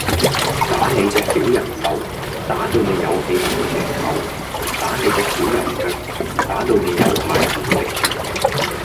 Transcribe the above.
打你隻小人手，打到你有氣無定唞；打你隻小人腳，打到你有鞋唔識着！